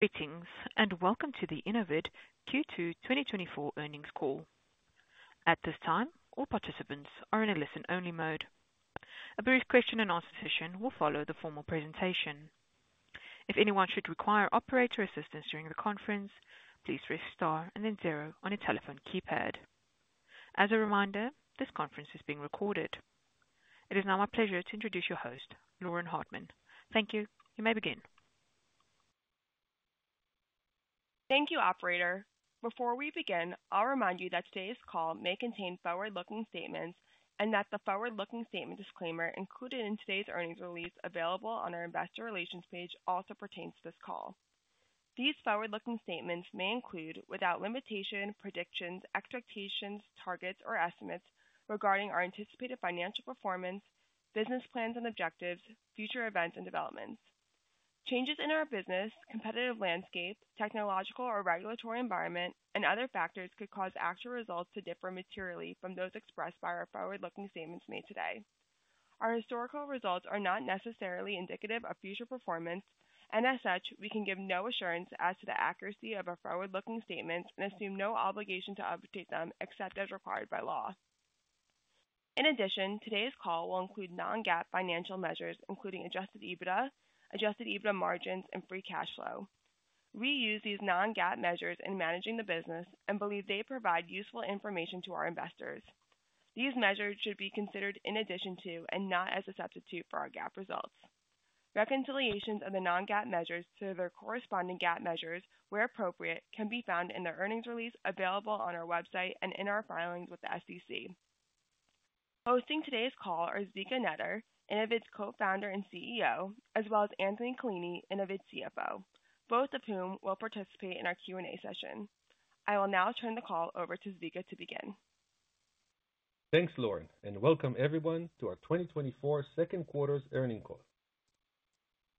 Greetings, and welcome to the Innovid Q2 2024 earnings call. At this time, all participants are in a listen-only mode. A brief question and answer session will follow the formal presentation. If anyone should require operator assistance during the conference, please press star and then zero on your telephone keypad. As a reminder, this conference is being recorded. It is now my pleasure to introduce your host, Lauren Hartman. Thank you. You may begin. Thank you, operator. Before we begin, I'll remind you that today's call may contain forward-looking statements and that the forward-looking statement disclaimer included in today's earnings release, available on our investor relations page, also pertains to this call. These forward-looking statements may include, without limitation, predictions, expectations, targets, or estimates regarding our anticipated financial performance, business plans and objectives, future events and developments. Changes in our business, competitive landscape, technological or regulatory environment, and other factors could cause actual results to differ materially from those expressed by our forward-looking statements made today. Our historical results are not necessarily indicative of future performance, and as such, we can give no assurance as to the accuracy of our forward-looking statements and assume no obligation to update them, except as required by law. In addition, today's call will include non-GAAP financial measures, including adjusted EBITDA, adjusted EBITDA margins, and free cash flow. We use these non-GAAP measures in managing the business and believe they provide useful information to our investors. These measures should be considered in addition to and not as a substitute for our GAAP results. Reconciliations of the non-GAAP measures to their corresponding GAAP measures, where appropriate, can be found in the earnings release available on our website and in our filings with the SEC. Hosting today's call are Zvika Netter, Innovid's co-founder and CEO, as well as Anthony Callini, Innovid's CFO, both of whom will participate in our Q&A session. I will now turn the call over to Zvika to begin. Thanks, Lauren, and welcome everyone to our 2024 second quarter's earnings call.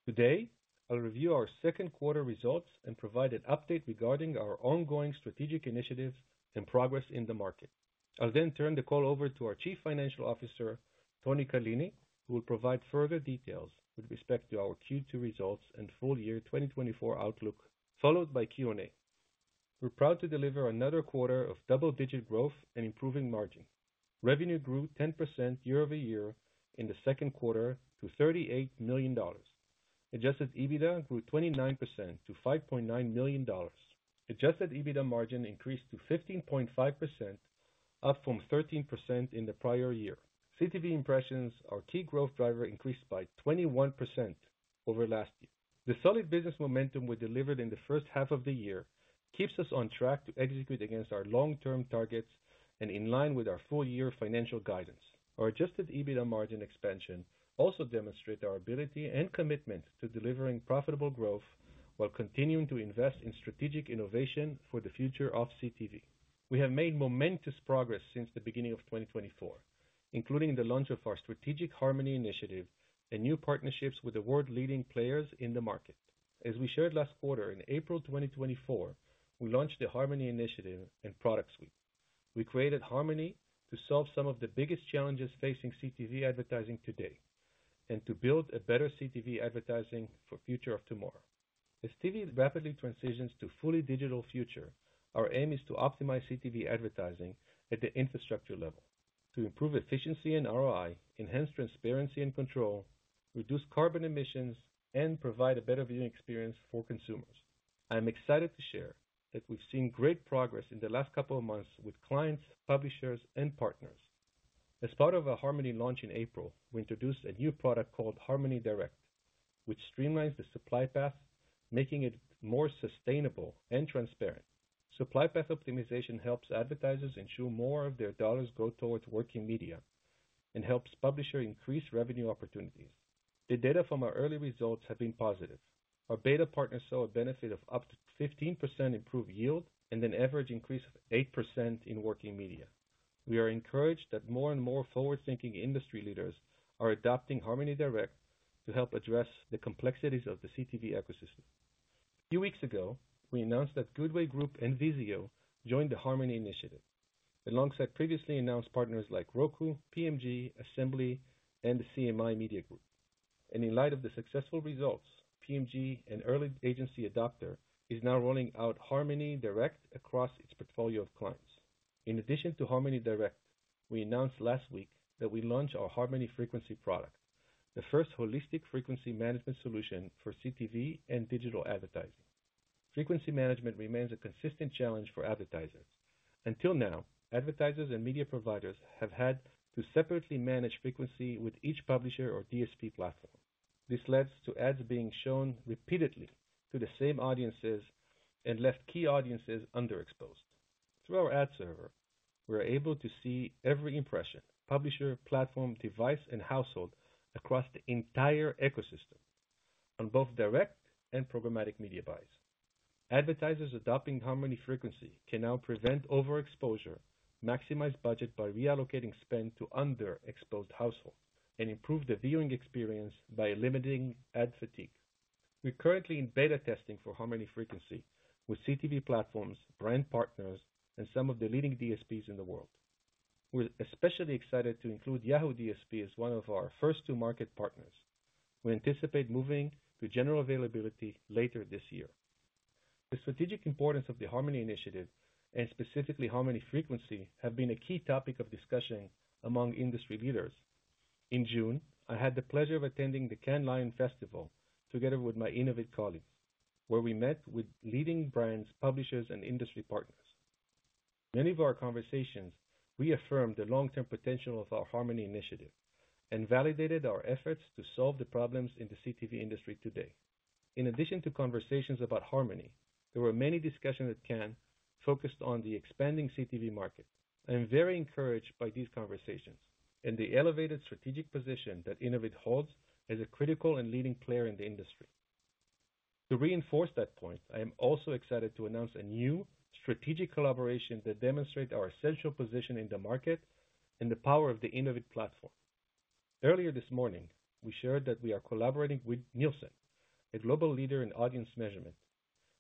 Today, I'll review our second quarter results and provide an update regarding our ongoing strategic initiatives and progress in the market. I'll then turn the call over to our Chief Financial Officer, Tony Callini, who will provide further details with respect to our Q2 results and full year 2024 outlook, followed by Q&A. We're proud to deliver another quarter of double-digit growth and improving margin. Revenue grew 10% year-over-year in the second quarter to $38 million. Adjusted EBITDA grew 29% to $5.9 million. Adjusted EBITDA margin increased to 15.5%, up from 13% in the prior year. CTV impressions, our key growth driver, increased by 21% over last year. The solid business momentum we delivered in the first half of the year keeps us on track to execute against our long-term targets and in line with our full-year financial guidance. Our Adjusted EBITDA margin expansion also demonstrate our ability and commitment to delivering profitable growth while continuing to invest in strategic innovation for the future of CTV. We have made momentous progress since the beginning of 2024, including the launch of our strategic Harmony Initiative and new partnerships with the world-leading players in the market. As we shared last quarter, in April 2024, we launched the Harmony Initiative and product suite. We created Harmony to solve some of the biggest challenges facing CTV advertising today, and to build a better CTV advertising for future of tomorrow. As TV rapidly transitions to a fully digital future, our aim is to optimize CTV advertising at the infrastructure level, to improve efficiency and ROI, enhance transparency and control, reduce carbon emissions, and provide a better viewing experience for consumers. I am excited to share that we've seen great progress in the last couple of months with clients, publishers, and partners. As part of our Harmony launch in April, we introduced a new product called Harmony Direct, which streamlines the supply path, making it more sustainable and transparent. Supply path optimization helps advertisers ensure more of their dollars go towards working media and helps publishers increase revenue opportunities. The data from our early results have been positive. Our beta partners saw a benefit of up to 15% improved yield and an average increase of 8% in working media. We are encouraged that more and more forward-thinking industry leaders are adopting Harmony Direct to help address the complexities of the CTV ecosystem. A few weeks ago, we announced that Goodway Group and Vizio joined the Harmony Initiative, alongside previously announced partners like Roku, PMG, Assembly, and the CMI Media Group. In light of the successful results, PMG, an early agency adopter, is now rolling out Harmony Direct across its portfolio of clients. In addition to Harmony Direct, we announced last week that we launched our Harmony Frequency product, the first holistic frequency management solution for CTV and digital advertising. Frequency management remains a consistent challenge for advertisers. Until now, advertisers and media providers have had to separately manage frequency with each publisher or DSP platform. This leads to ads being shown repeatedly to the same audiences and left key audiences underexposed. Through our ad server, we're able to see every impression, publisher, platform, device, and household across the entire ecosystem on both direct and programmatic media buys. Advertisers adopting Harmony Frequency can now prevent overexposure, maximize budget by reallocating spend to underexposed households, and improve the viewing experience by limiting ad fatigue. We're currently in beta testing for Harmony Frequency with CTV platforms, brand partners, and some of the leading DSPs in the world. We're especially excited to include Yahoo DSP as one of our first two market partners. We anticipate moving to general availability later this year. The strategic importance of the Harmony Initiative, and specifically Harmony Frequency, have been a key topic of discussion among industry leaders. In June, I had the pleasure of attending the Cannes Lions Festival, together with my Innovid colleagues, where we met with leading brands, publishers, and industry partners. Many of our conversations reaffirmed the long-term potential of our Harmony Initiative and validated our efforts to solve the problems in the CTV industry today. In addition to conversations about Harmony, there were many discussions at Cannes focused on the expanding CTV market. I am very encouraged by these conversations and the elevated strategic position that Innovid holds as a critical and leading player in the industry. To reinforce that point, I am also excited to announce a new strategic collaboration that demonstrate our essential position in the market and the power of the Innovid platform. Earlier this morning, we shared that we are collaborating with Nielsen, a global leader in audience measurement,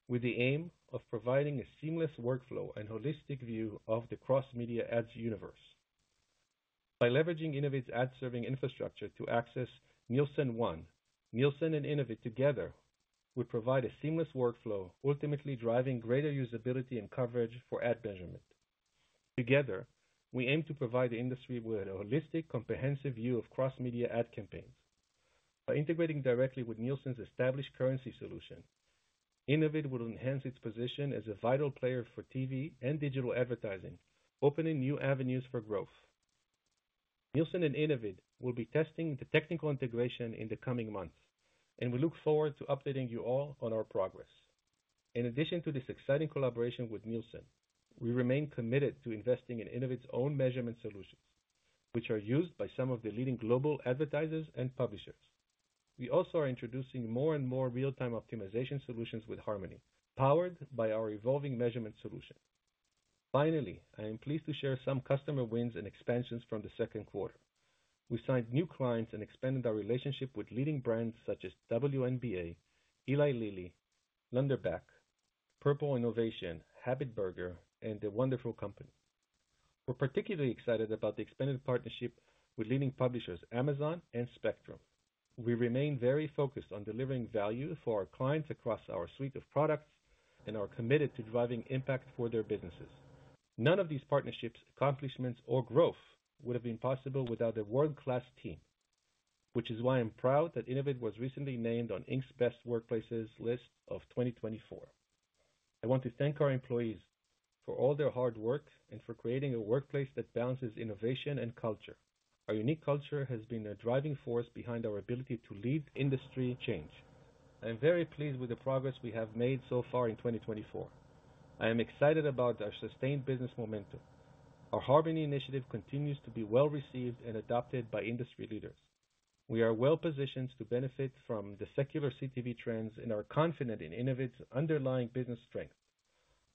with the aim of providing a seamless workflow and holistic view of the cross-media ads universe. By leveraging Innovid's ad serving infrastructure to access Nielsen ONE, Nielsen and Innovid together will provide a seamless workflow, ultimately driving greater usability and coverage for ad measurement. Together, we aim to provide the industry with a holistic, comprehensive view of cross-media ad campaigns. By integrating directly with Nielsen's established currency solution, Innovid will enhance its position as a vital player for TV and digital advertising, opening new avenues for growth. Nielsen and Innovid will be testing the technical integration in the coming months, and we look forward to updating you all on our progress. In addition to this exciting collaboration with Nielsen, we remain committed to investing in Innovid's own measurement solutions, which are used by some of the leading global advertisers and publishers. We also are introducing more and more real-time optimization solutions with Harmony, powered by our evolving measurement solution. Finally, I am pleased to share some customer wins and expansions from the second quarter. We signed new clients and expanded our relationship with leading brands such as WNBA, Eli Lilly, Lundbeck, Purple Innovation, Habit Burger, and The Wonderful Company. We're particularly excited about the expanded partnership with leading publishers, Amazon and Spectrum. We remain very focused on delivering value for our clients across our suite of products and are committed to driving impact for their businesses. None of these partnerships, accomplishments, or growth would have been possible without a world-class team, which is why I'm proud that Innovid was recently named on Inc's Best Workplaces list of 2024. I want to thank our employees for all their hard work and for creating a workplace that balances innovation and culture. Our unique culture has been a driving force behind our ability to lead industry change. I am very pleased with the progress we have made so far in 2024. I am excited about our sustained business momentum. Our Harmony Initiative continues to be well-received and adopted by industry leaders. We are well positioned to benefit from the secular CTV trends and are confident in Innovid's underlying business strength.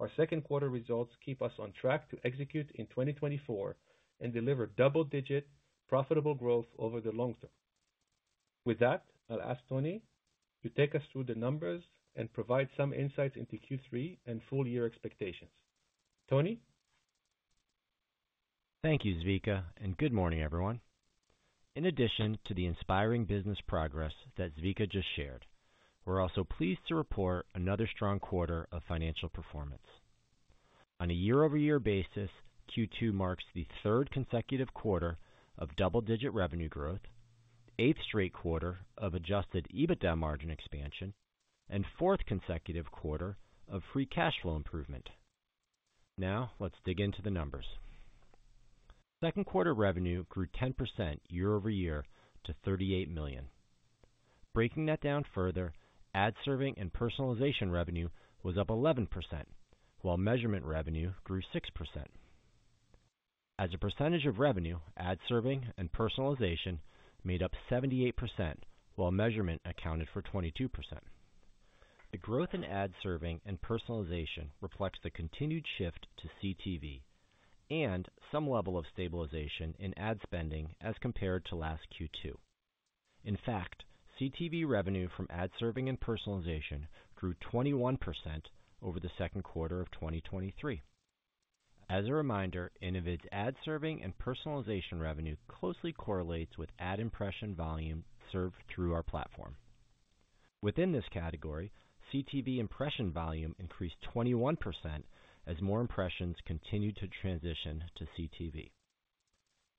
Our second quarter results keep us on track to execute in 2024 and deliver double-digit profitable growth over the long term. With that, I'll ask Tony to take us through the numbers and provide some insights into Q3 and full year expectations. Tony? Thank you, Zvika, and good morning, everyone. In addition to the inspiring business progress that Zvika just shared, we're also pleased to report another strong quarter of financial performance. On a year-over-year basis, Q2 marks the third consecutive quarter of double-digit revenue growth, eighth straight quarter of adjusted EBITDA margin expansion, and fourth consecutive quarter of free cash flow improvement. Now, let's dig into the numbers. Second quarter revenue grew 10% year-over-year to $38 million. Breaking that down further, ad serving and personalization revenue was up 11%, while measurement revenue grew 6%. As a percentage of revenue, ad serving and personalization made up 78%, while measurement accounted for 22%. The growth in ad serving and personalization reflects the continued shift to CTV and some level of stabilization in ad spending as compared to last Q2. In fact, CTV revenue from ad serving and personalization grew 21% over the second quarter of 2023. As a reminder, Innovid's ad serving and personalization revenue closely correlates with ad impression volume served through our platform. Within this category, CTV impression volume increased 21% as more impressions continued to transition to CTV.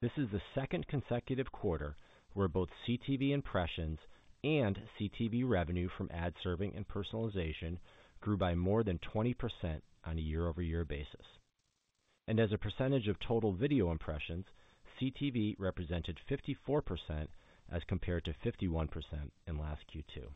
This is the second consecutive quarter where both CTV impressions and CTV revenue from ad serving and personalization grew by more than 20% on a year-over-year basis. As a percentage of total video impressions, CTV represented 54% as compared to 51% in last Q2.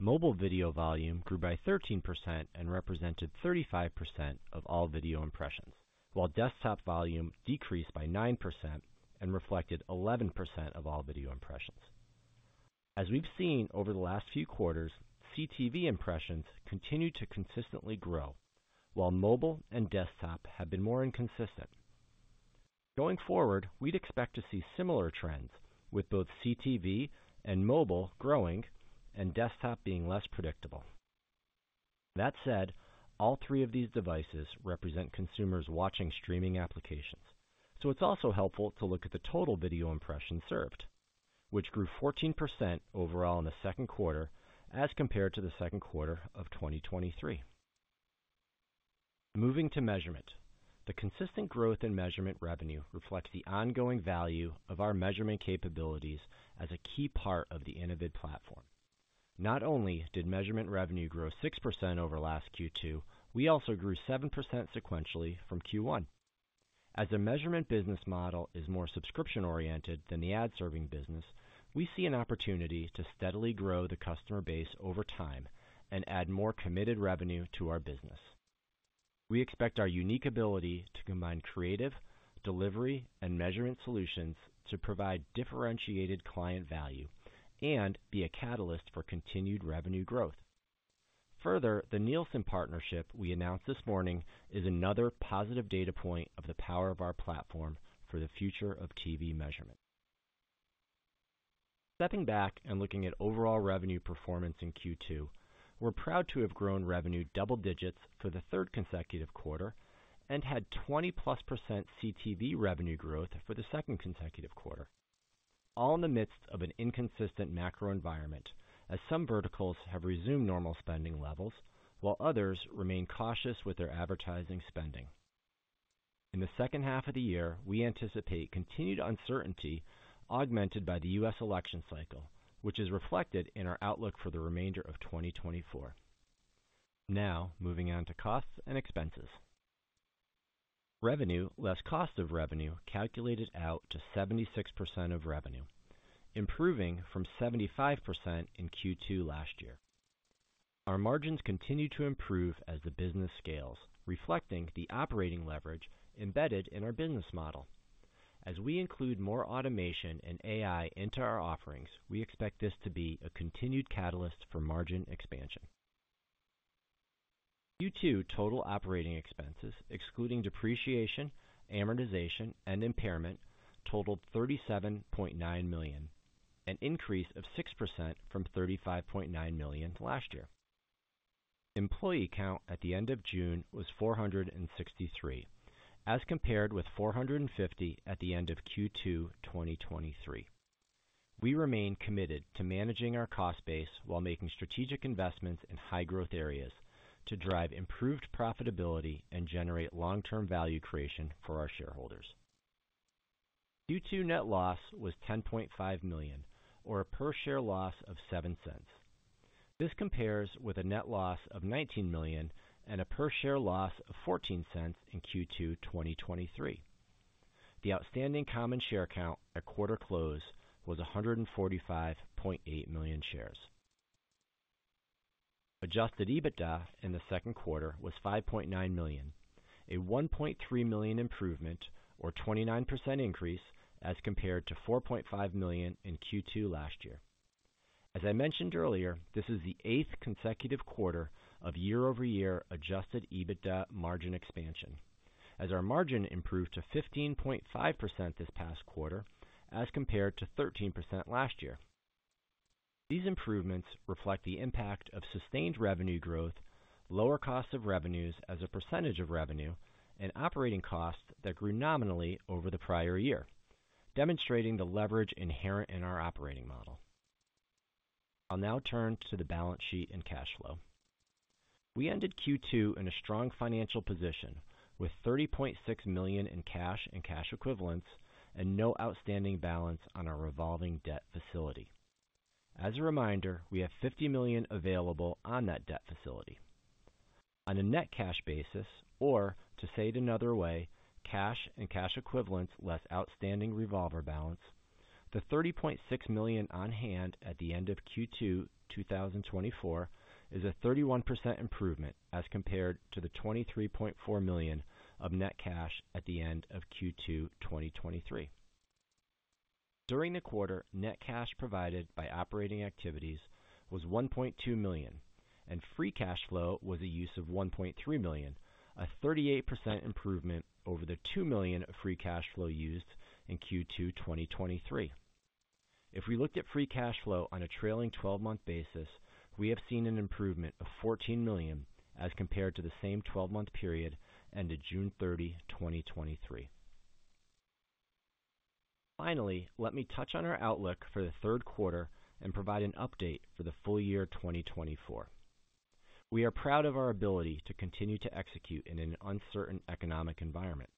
Mobile video volume grew by 13% and represented 35% of all video impressions, while desktop volume decreased by 9% and reflected 11% of all video impressions. As we've seen over the last few quarters, CTV impressions continued to consistently grow, while mobile and desktop have been more inconsistent. Going forward, we'd expect to see similar trends with both CTV and mobile growing and desktop being less predictable. That said, all three of these devices represent consumers watching streaming applications. So it's also helpful to look at the total video impressions served, which grew 14% overall in the second quarter as compared to the second quarter of 2023. Moving to measurement. The consistent growth in measurement revenue reflects the ongoing value of our measurement capabilities as a key part of the Innovid platform. Not only did measurement revenue grow 6% over last Q2, we also grew 7% sequentially from Q1. As a measurement business model is more subscription-oriented than the ad-serving business, we see an opportunity to steadily grow the customer base over time and add more committed revenue to our business. We expect our unique ability to combine creative, delivery, and measurement solutions to provide differentiated client value and be a catalyst for continued revenue growth. Further, the Nielsen partnership we announced this morning is another positive data point of the power of our platform for the future of TV measurement. Stepping back and looking at overall revenue performance in Q2, we're proud to have grown revenue double digits for the third consecutive quarter and had 20%+ CTV revenue growth for the second consecutive quarter, all in the midst of an inconsistent macro environment, as some verticals have resumed normal spending levels, while others remain cautious with their advertising spending. In the second half of the year, we anticipate continued uncertainty, augmented by the U.S. election cycle, which is reflected in our outlook for the remainder of 2024. Now, moving on to costs and expenses. Revenue, less cost of revenue, calculated out to 76% of revenue, improving from 75% in Q2 last year. Our margins continue to improve as the business scales, reflecting the operating leverage embedded in our business model. As we include more automation and AI into our offerings, we expect this to be a continued catalyst for margin expansion. Q2 total operating expenses, excluding depreciation, amortization, and impairment, totaled $37.9 million, an increase of 6% from $35.9 million last year. Employee count at the end of June was 463, as compared with 450 at the end of Q2 2023. We remain committed to managing our cost base while making strategic investments in high-growth areas to drive improved profitability and generate long-term value creation for our shareholders. Q2 net loss was $10.5 million or a per-share loss of $0.07. This compares with a net loss of $19 million and a per-share loss of $0.14 in Q2 2023. The outstanding common share count at quarter close was 145.8 million shares. Adjusted EBITDA in the second quarter was $5.9 million, a $1.3 million improvement or 29% increase as compared to $4.5 million in Q2 last year. As I mentioned earlier, this is the eighth consecutive quarter of year-over-year adjusted EBITDA margin expansion, as our margin improved to 15.5% this past quarter as compared to 13% last year. These improvements reflect the impact of sustained revenue growth, lower cost of revenues as a percentage of revenue, and operating costs that grew nominally over the prior year, demonstrating the leverage inherent in our operating model. I'll now turn to the balance sheet and cash flow. We ended Q2 in a strong financial position with $30.6 million in cash and cash equivalents and no outstanding balance on our revolving debt facility. As a reminder, we have $50 million available on that debt facility. On a net cash basis, or to say it another way, cash and cash equivalents, less outstanding revolver balance, the $30.6 million on hand at the end of Q2 2024 is a 31% improvement as compared to the $23.4 million of net cash at the end of Q2 2023. During the quarter, net cash provided by operating activities was $1.2 million, and free cash flow was a use of $1.3 million, a 38% improvement over the $2 million of free cash flow used in Q2 2023. If we looked at free cash flow on a trailing twelve-month basis, we have seen an improvement of $14 million as compared to the same twelve-month period ended June 30, 2023. Finally, let me touch on our outlook for the third quarter and provide an update for the full year 2024. We are proud of our ability to continue to execute in an uncertain economic environment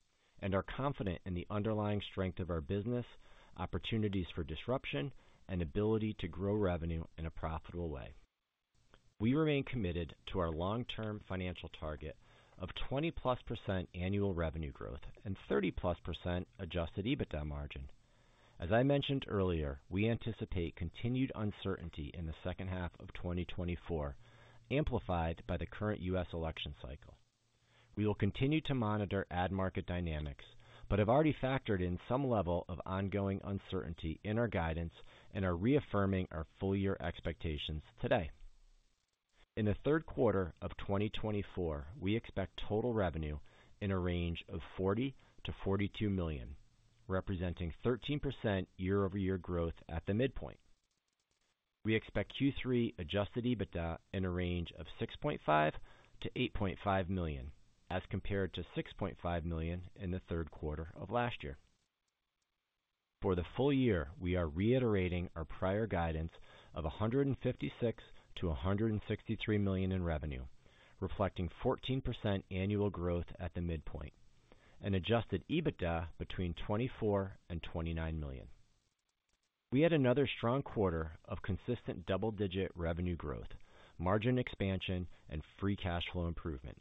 and are confident in the underlying strength of our business, opportunities for disruption, and ability to grow revenue in a profitable way. We remain committed to our long-term financial target of 20%+ annual revenue growth and 30%+ adjusted EBITDA margin. As I mentioned earlier, we anticipate continued uncertainty in the second half of 2024, amplified by the current US election cycle. We will continue to monitor ad market dynamics, but have already factored in some level of ongoing uncertainty in our guidance and are reaffirming our full year expectations today. In the third quarter of 2024, we expect total revenue in a range of $40 million-$42 million, representing 13% year-over-year growth at the midpoint. We expect Q3 adjusted EBITDA in a range of $6.5 million-$8.5 million, as compared to $6.5 million in the third quarter of last year. For the full year, we are reiterating our prior guidance of $156 million-$163 million in revenue, reflecting 14% annual growth at the midpoint, and adjusted EBITDA between $24 million and $29 million. We had another strong quarter of consistent double-digit revenue growth, margin expansion, and free cash flow improvement,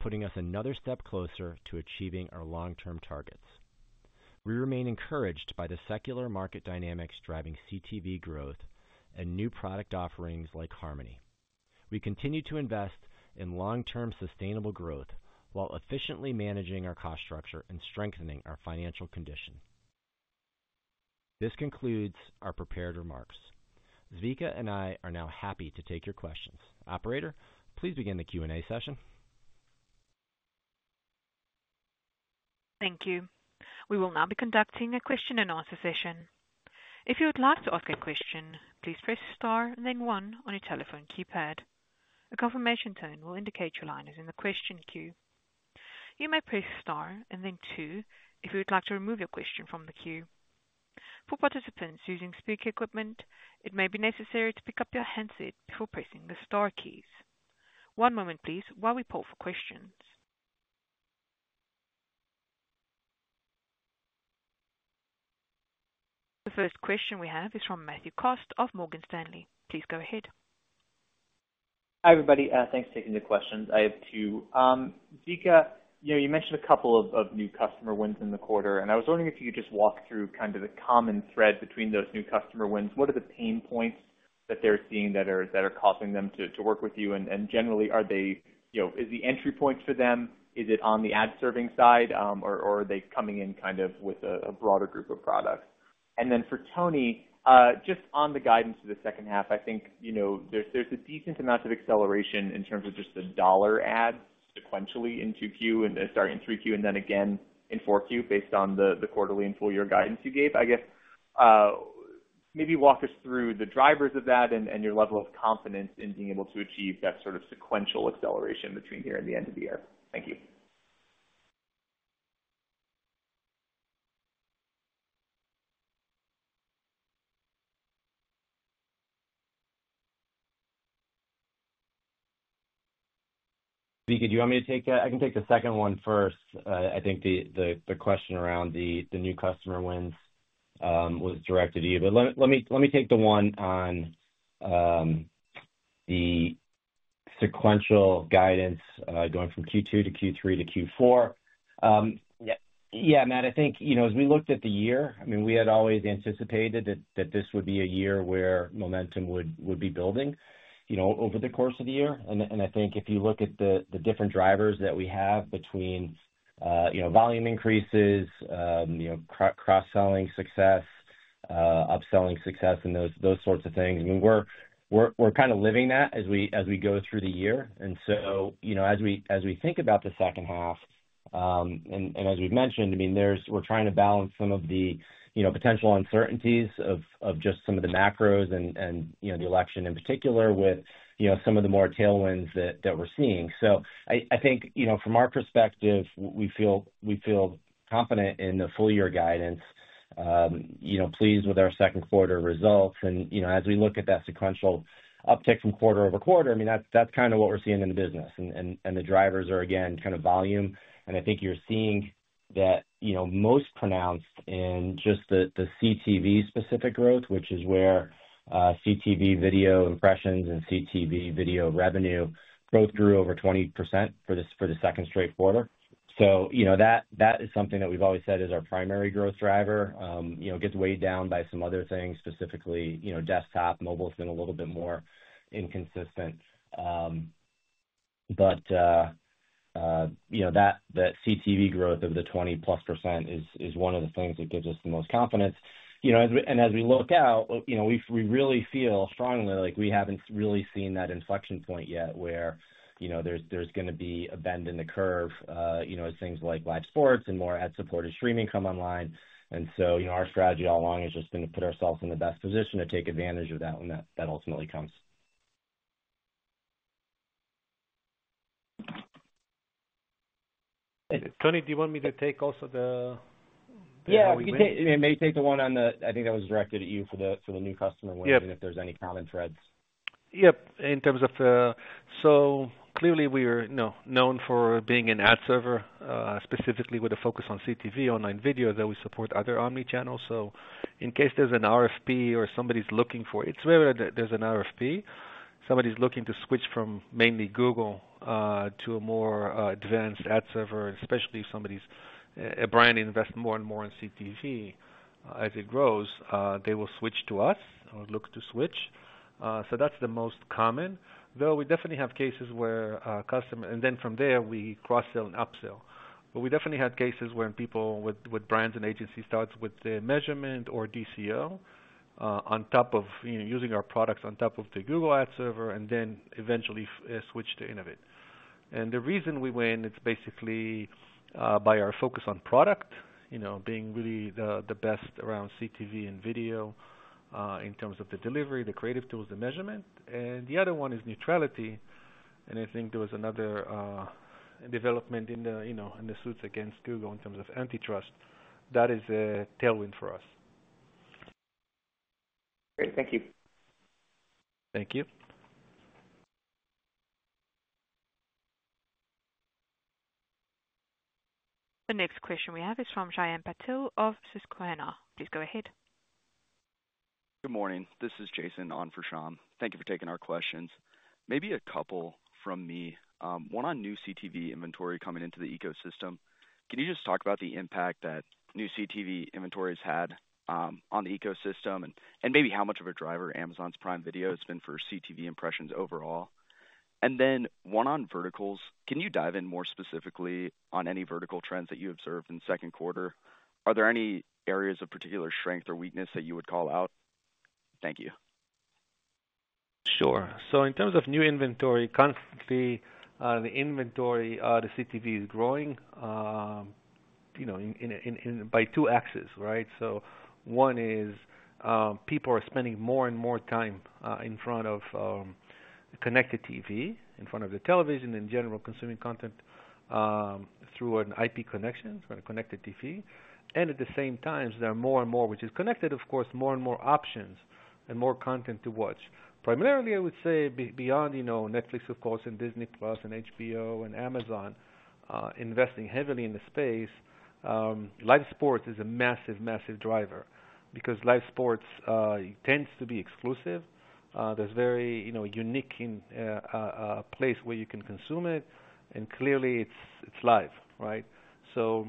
putting us another step closer to achieving our long-term targets. We remain encouraged by the secular market dynamics driving CTV growth and new product offerings like Harmony. We continue to invest in long-term sustainable growth while efficiently managing our cost structure and strengthening our financial condition. This concludes our prepared remarks. Zvika and I are now happy to take your questions. Operator, please begin the Q&A session. Thank you. We will now be conducting a question-and-answer session. If you would like to ask a question, please press star and then one on your telephone keypad. A confirmation tone will indicate your line is in the question queue. You may press star and then two, if you would like to remove your question from the queue. For participants using speaker equipment, it may be necessary to pick up your handset before pressing the star keys. One moment, please, while we poll for questions. The first question we have is from Matthew Cost of Morgan Stanley. Please go ahead. Hi, everybody, thanks for taking the questions. I have two. Zvika, you know, you mentioned a couple of new customer wins in the quarter, and I was wondering if you could just walk through kind of the common thread between those new customer wins. What are the pain points that they're seeing that are causing them to work with you? And generally, are they, you know, is the entry point for them, is it on the ad serving side, or are they coming in kind of with a broader group of products? And then for Tony, just on the guidance for the second half, I think, you know, there's a decent amount of acceleration in terms of just the dollar add sequentially in three Q, and then again in four Q, based on the quarterly and full year guidance you gave. I guess, maybe walk us through the drivers of that and your level of confidence in being able to achieve that sort of sequential acceleration between here and the end of the year. Thank you. Zvika, do you want me to take that? I can take the second one first. I think the question around the new customer wins was directed to you. But let me take the one on the sequential guidance going from Q2 to Q3 to Q4. Yeah, Matt, I think, you know, as we looked at the year, I mean, we had always anticipated that this would be a year where momentum would be building, you know, over the course of the year. And I think if you look at the different drivers that we have between you know, volume increases, you know, cross-selling success, upselling success, and those sorts of things, I mean, we're kind of living that as we go through the year. And so, you know, as we think about the second half, and as we've mentioned, I mean, there's—we're trying to balance some of the, you know, potential uncertainties of just some of the macros and, you know, the election in particular with, you know, some of the more tailwinds that we're seeing. So I think, you know, from our perspective, we feel confident in the full year guidance, you know, pleased with our second quarter results. And, you know, as we look at that sequential uptick from quarter-over-quarter, I mean, that's kind of what we're seeing in the business. And the drivers are, again, kind of volume. I think you're seeing that, you know, most pronounced in just the CTV specific growth, which is where CTV video impressions and CTV video revenue both grew over 20% for the second straight quarter. So, you know, that is something that we've always said is our primary growth driver. You know, it gets weighed down by some other things, specifically, you know, desktop. Mobile's been a little bit more inconsistent. But you know, that CTV growth of the 20%+ is one of the things that gives us the most confidence. You know, and as we look out, you know, we really feel strongly like we haven't really seen that inflection point yet, where, you know, there's gonna be a bend in the curve, you know, as things like live sports and more ad-supported streaming come online. And so, you know, our strategy all along has just been to put ourselves in the best position to take advantage of that when that ultimately comes. Tony, do you want me to take also the- Yeah, you may, you may take the one on the... I think that was directed at you for the, for the new customer wins and if there's any common threads. Yep. In terms of the so clearly we are, you know, known for being an ad server, specifically with a focus on CTV, online video, that we support other omnichannels. So in case there's an RFP or somebody's looking for it, wherever there's an RFP, somebody's looking to switch from mainly Google to a more advanced ad server, especially if somebody's a brand, invest more and more in CTV as it grows, they will switch to us or look to switch. So that's the most common. Though we definitely have cases where customer and then from there, we cross-sell and upsell. But we definitely had cases when people with, with brands and agencies, starts with the measurement or DCO on top of, you know, using our products on top of the Google ad server and then eventually switch to Innovid. And the reason we win, it's basically, by our focus on product, you know, being really the, the best around CTV and video, in terms of the delivery, the creative tools, the measurement. And the other one is neutrality. And I think there was another, development in the, you know, in the suits against Google in terms of antitrust. That is a tailwind for us. Great. Thank you. Thank you. The next question we have is from Shyam Patil of Susquehanna. Please go ahead. Good morning. This is Jason on for Shyam. Thank you for taking our questions. Maybe a couple from me. One on new CTV inventory coming into the ecosystem. Can you just talk about the impact that new CTV inventory has had, on the ecosystem and, and maybe how much of a driver Amazon's Prime Video has been for CTV impressions overall? And then one on verticals. Can you dive in more specifically on any vertical trends that you observed in the second quarter? Are there any areas of particular strength or weakness that you would call out? Thank you. Sure. So in terms of new inventory, constantly, the inventory, the CTV is growing, you know, in, by two axes, right? So one is, people are spending more and more time, in front of, connected TV, in front of the television, in general, consuming content, through an IP connection, so a connected TV. And at the same time, there are more and more, which is connected, of course, more and more options and more content to watch. Primarily, I would say beyond, you know, Netflix, of course, and Disney+, and HBO and Amazon, investing heavily in the space, live sports is a massive, massive driver because live sports, tends to be exclusive. There's very, you know, unique in, a place where you can consume it, and clearly, it's live, right? So,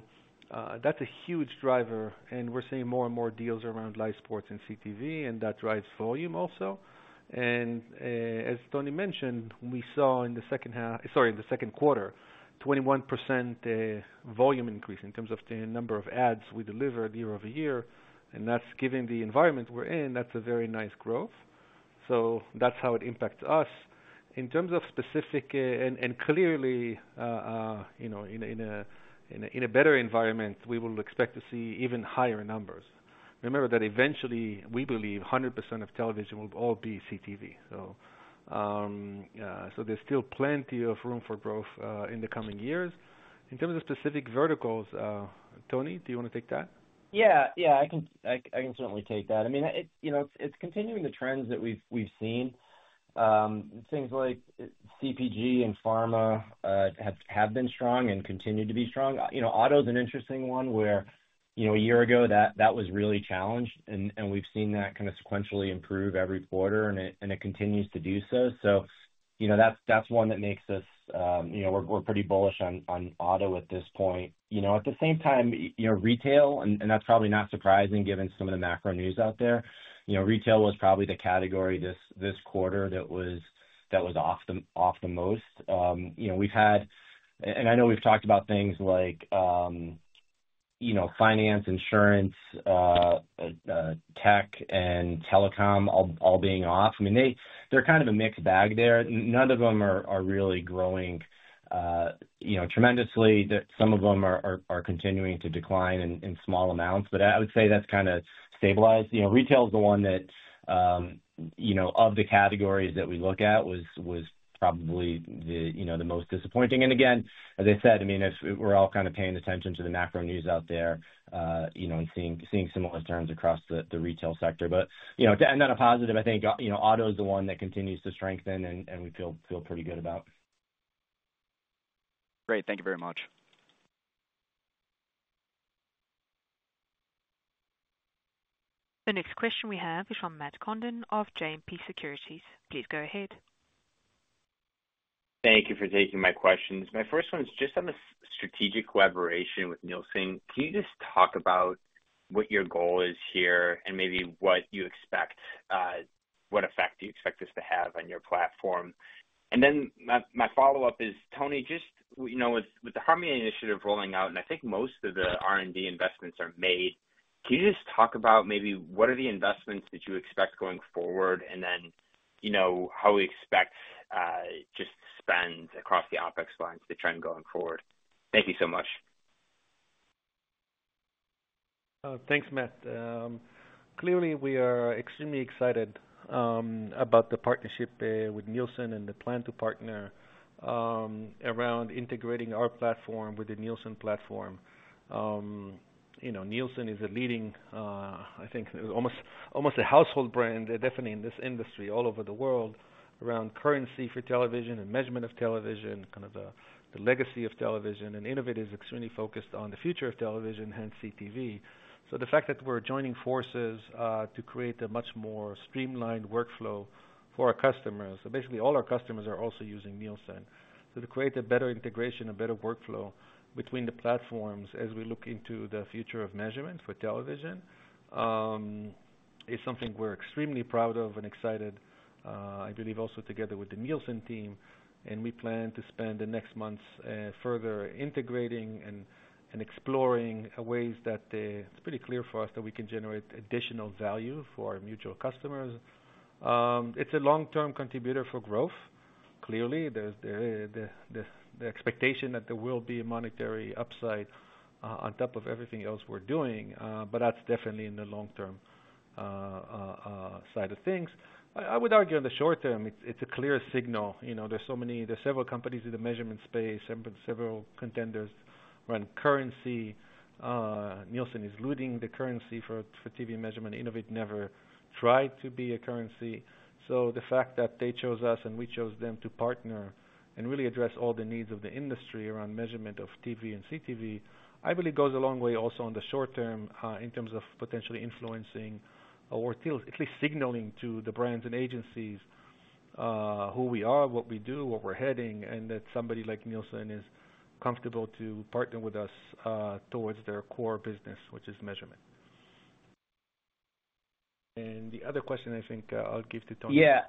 that's a huge driver, and we're seeing more and more deals around live sports and CTV, and that drives volume also. And, as Tony mentioned, we saw in the second half... Sorry, in the second quarter, 21% volume increase in terms of the number of ads we delivered year-over-year, and that's given the environment we're in, that's a very nice growth. So that's how it impacts us. In terms of specific, and clearly, you know, in a better environment, we will expect to see even higher numbers. Remember that eventually, we believe 100% of television will all be CTV. So, yeah, so there's still plenty of room for growth in the coming years. In terms of specific verticals, Tony, do you want to take that? Yeah, yeah, I can, I can certainly take that. I mean, it, you know, it's continuing the trends that we've, we've seen. Things like CPG and pharma have, have been strong and continue to be strong. You know, auto is an interesting one where, you know, a year ago, that, that was really challenged, and, and we've seen that kind of sequentially improve every quarter, and it, and it continues to do so. So, you know, that's, that's one that makes us, you know, we're, we're pretty bullish on, on auto at this point. You know, at the same time, you know, retail, and, and that's probably not surprising given some of the macro news out there. You know, retail was probably the category this, this quarter that was, that was off the, off the most. You know, we've had – and I know we've talked about things like, you know, finance, insurance, tech and telecom all being off. I mean, they're kind of a mixed bag there. None of them are really growing, you know, tremendously. Some of them are continuing to decline in small amounts, but I would say that's kind of stabilized. You know, retail is the one that, you know, of the categories that we look at was probably the most disappointing. And again, as I said, I mean, as we're all kind of paying attention to the macro news out there, you know, and seeing similar terms across the retail sector. But, you know, to end on a positive, I think, you know, auto is the one that continues to strengthen and we feel pretty good about. Great. Thank you very much. The next question we have is from Matt Condon of JMP Securities. Please go ahead. Thank you for taking my questions. My first one is just on the strategic collaboration with Nielsen. Can you just talk about what your goal is here and maybe what you expect, what effect do you expect this to have on your platform? And then my, my follow-up is, Tony, just, you know, with, with the Harmony Initiative rolling out, and I think most of the R&D investments are made, can you just talk about maybe what are the investments that you expect going forward, and then, you know, just spend across the OpEx lines, the trend going forward? Thank you so much. Thanks, Matt. Clearly, we are extremely excited about the partnership with Nielsen and the plan to partner around integrating our platform with the Nielsen platform. You know, Nielsen is a leading, I think almost a household brand, definitely in this industry, all over the world, around currency for television and measurement of television, kind of the legacy of television, and innovative, extremely focused on the future of television, hence CTV. So the fact that we're joining forces to create a much more streamlined workflow for our customers. So basically, all our customers are also using Nielsen. So to create a better integration, a better workflow between the platforms as we look into the future of measurement for television is something we're extremely proud of and excited, I believe, also together with the Nielsen team. And we plan to spend the next months, further integrating and exploring ways that, it's pretty clear for us that we can generate additional value for our mutual customers. It's a long-term contributor for growth. Clearly, there's the expectation that there will be a monetary upside, on top of everything else we're doing, but that's definitely in the long term, side of things. I would argue in the short term, it's a clear signal. You know, there's so many—there's several companies in the measurement space and several contenders run currency. Nielsen is leading the currency for TV measurement. Innovid never tried to be a currency. The fact that they chose us and we chose them to partner and really address all the needs of the industry around measurement of TV and CTV, I believe, goes a long way also in the short term, in terms of potentially influencing or at least signaling to the brands and agencies, who we are, what we do, where we're heading, and that somebody like Nielsen is comfortable to partner with us, towards their core business, which is measurement. The other question, I think, I'll give to Tony. Yeah.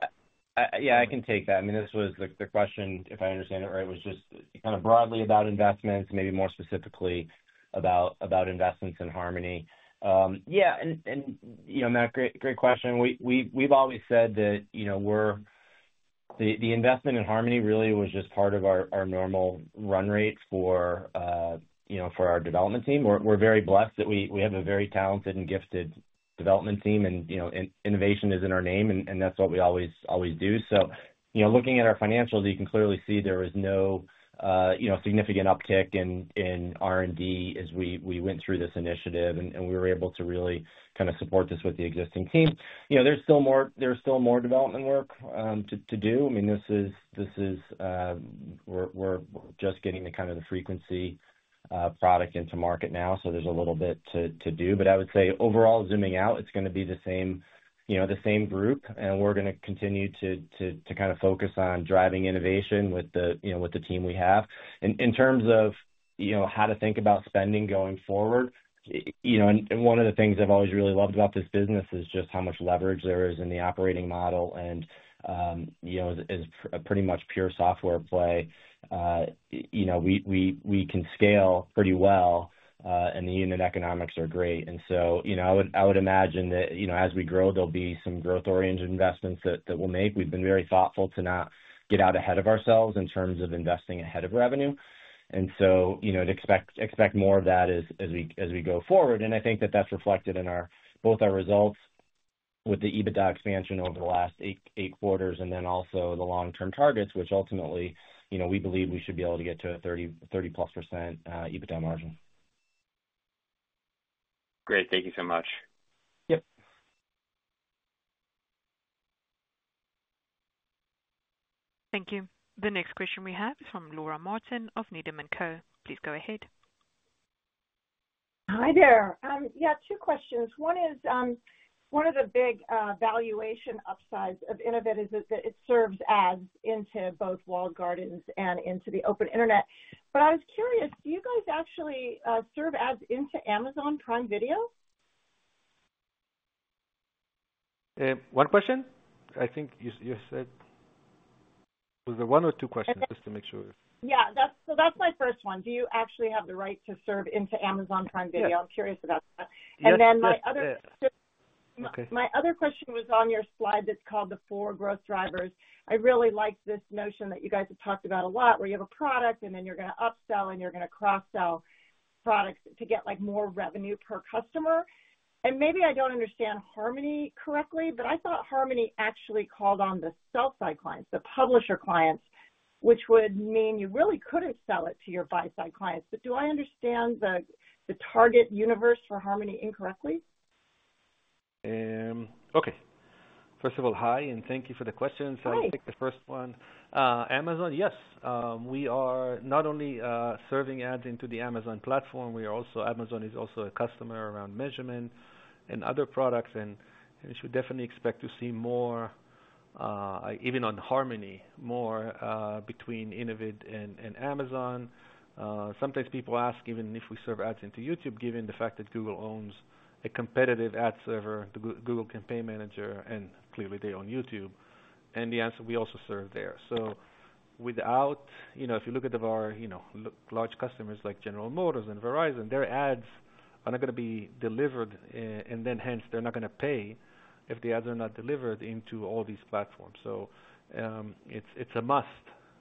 Yeah, I can take that. I mean, this was the question, if I understand it right, was just kind of broadly about investments, maybe more specifically about investments in Harmony. Yeah, and, you know, Matt, great, great question. We’ve always said that, you know, we’re—the investment in Harmony really was just part of our normal run rate for, you know, for our development team. We’re very blessed that we have a very talented and gifted development team, and, you know, and innovation is in our name, and that’s what we always do. So, you know, looking at our financials, you can clearly see there is no, you know, significant uptick in R&D as we went through this initiative, and we were able to really kind of support this with the existing team. You know, there's still more, there's still more development work to do. I mean, this is... We're just getting the kind of frequency product into market now, so there's a little bit to do. But I would say overall, zooming out, it's gonna be the same, you know, the same group, and we're gonna continue to kind of focus on driving innovation with the, you know, with the team we have. In terms of, you know, how to think about spending going forward, you know, and one of the things I've always really loved about this business is just how much leverage there is in the operating model and, you know, is pretty much pure software play. You know, we can scale pretty well, and the unit economics are great. And so, you know, I would imagine that, you know, as we grow, there'll be some growth-oriented investments that we'll make. We've been very thoughtful to not get out ahead of ourselves in terms of investing ahead of revenue. And so, you know, expect more of that as we go forward. And I think that that's reflected in our... both our results with the EBITDA expansion over the last eight quarters, and then also the long-term targets, which ultimately, you know, we believe we should be able to get to a 30%, 30+% EBITDA margin. Great. Thank you so much. Yep. Thank you. The next question we have is from Laura Martin of Needham & Co. Please go ahead. Hi, there. Yeah, two questions. One is, one of the big, valuation upsides of Innovid is that, that it serves ads into both walled gardens and into the open internet. But I was curious, do you guys actually serve ads into Amazon Prime Video? One question? I think you said... Was there one or two questions, just to make sure? Yeah, that's so that's my first one. Do you actually have the right to serve into Amazon Prime Video? Yeah. I'm curious about that. Yes, yes. And then my other- Okay. My other question was on your slide that's called the four growth drivers. I really like this notion that you guys have talked about a lot, where you have a product, and then you're gonna upsell, and you're gonna cross-sell products to get, like, more revenue per customer. And maybe I don't understand Harmony correctly, but I thought Harmony actually called on the sell side clients, the publisher clients, which would mean you really couldn't sell it to your buy side clients. But do I understand the target universe for Harmony incorrectly? Okay. First of all, hi, and thank you for the question. Hi. So I'll take the first one. Amazon, yes, we are not only serving ads into the Amazon platform, we are also, Amazon is also a customer around measurement and other products, and you should definitely expect to see more, even on Harmony, more, between Innovid and, and Amazon. Sometimes people ask, even if we serve ads into YouTube, given the fact that Google owns a competitive ad server, the Google Campaign Manager, and clearly, they own YouTube. And the answer, we also serve there. So without, you know, if you look at our, you know, large customers like General Motors and Verizon, their ads are not gonna be delivered, and then, hence, they're not gonna pay if the ads are not delivered into all these platforms. So, it's a must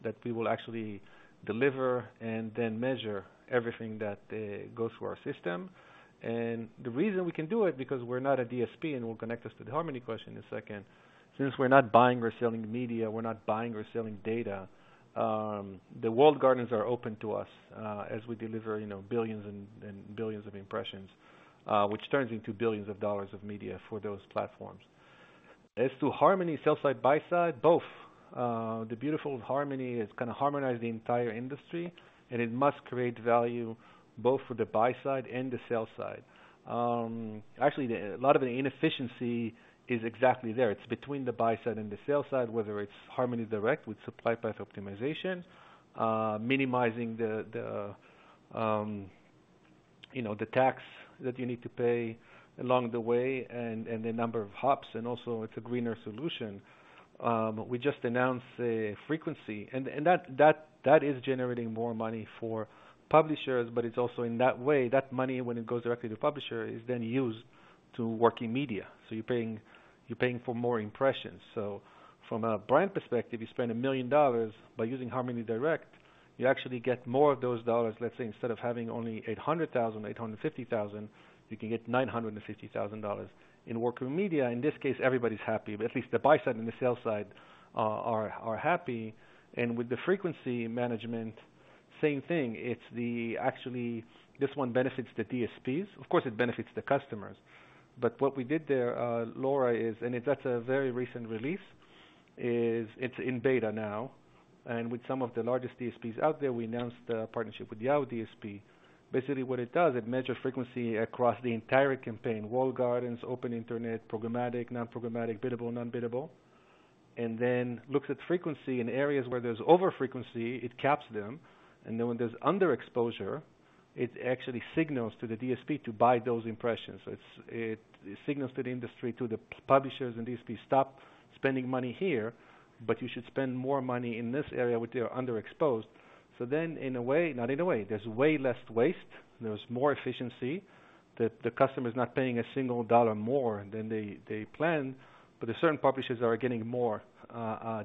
that we will actually deliver and then measure everything that goes through our system. And the reason we can do it, because we're not a DSP, and we'll connect us to the Harmony question in a second. Since we're not buying or selling media, we're not buying or selling data, the walled gardens are open to us, as we deliver, you know, billions and billions of impressions, which turns into $ billions of media for those platforms. As to Harmony, sell side, buy side, both. The beautiful Harmony is gonna harmonize the entire industry, and it must create value both for the buy side and the sell side. Actually, a lot of the inefficiency is exactly there. It's between the buy side and the sell side, whether it's Harmony Direct with supply path optimization, minimizing, you know, the tax that you need to pay along the way and the number of hops, and also it's a greener solution. We just announced frequency, and that is generating more money for publishers, but it's also in that way, that money, when it goes directly to publisher, is then used to work in media. So you're paying, you're paying for more impressions. So from a brand perspective, you spend $1 million by using Harmony Direct, you actually get more of those dollars. Let's say, instead of having only $800,000, $850,000, you can get $950,000. In working with media, in this case, everybody's happy, but at least the buy side and the sell side are happy. And with the frequency management, same thing, it's the—actually, this one benefits the DSPs. Of course, it benefits the customers. But what we did there, Laura, is, and that's a very recent release, is it's in beta now, and with some of the largest DSPs out there, we announced a partnership with the Yahoo DSP. Basically, what it does, it measures frequency across the entire campaign, walled gardens, open Internet, programmatic, non-programmatic, biddable, non-biddable, and then looks at frequency. In areas where there's over frequency, it caps them, and then when there's under exposure, it actually signals to the DSP to buy those impressions. So it signals to the industry, to the publishers and DSP, "Stop spending money here, but you should spend more money in this area where they are underexposed." So then, in a way, not in a way, there's way less waste, there's more efficiency, that the customer is not paying a single dollar more than they planned, but certain publishers are getting more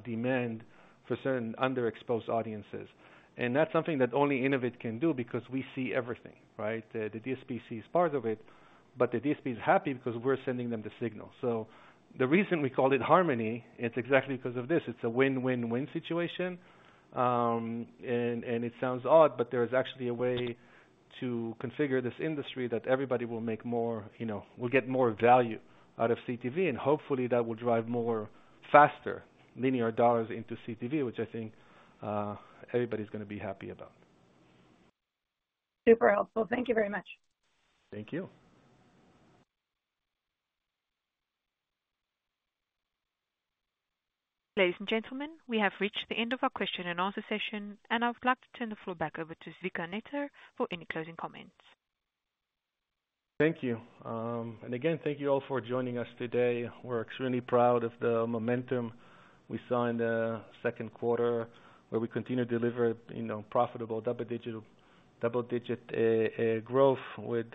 demand for certain underexposed audiences. And that's something that only Innovid can do, because we see everything, right? The DSP sees part of it, but the DSP is happy because we're sending them the signal. So the reason we call it Harmony, it's exactly because of this. It's a win-win-win situation. And it sounds odd, but there is actually a way to configure this industry that everybody will make more... You know, will get more value out of CTV, and hopefully that will drive more faster linear dollars into CTV, which I think, everybody's gonna be happy about. Super helpful. Thank you very much. Thank you. Ladies and gentlemen, we have reached the end of our question and answer session, and I would like to turn the floor back over to Zvika Netter for any closing comments. Thank you. And again, thank you all for joining us today. We're extremely proud of the momentum we saw in the second quarter, where we continue to deliver, you know, profitable double digital, double-digit growth with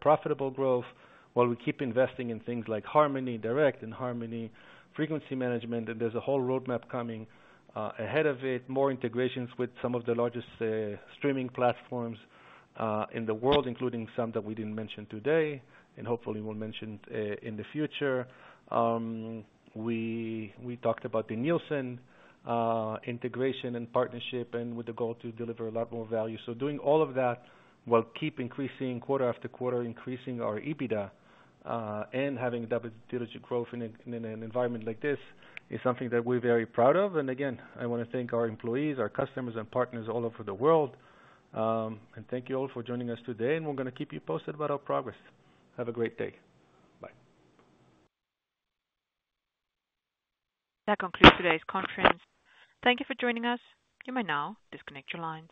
profitable growth, while we keep investing in things like Harmony Direct and Harmony Frequency Management. And there's a whole roadmap coming ahead of it. More integrations with some of the largest streaming platforms in the world, including some that we didn't mention today, and hopefully we'll mention in the future. We talked about the Nielsen integration and partnership, and with the goal to deliver a lot more value. So doing all of that, while keep increasing quarter after quarter, increasing our EBITDA, and having double-digit growth in an environment like this, is something that we're very proud of. I wanna thank our employees, our customers, and partners all over the world. Thank you all for joining us today, and we're gonna keep you posted about our progress. Have a great day. Bye. That concludes today's conference. Thank you for joining us. You may now disconnect your lines.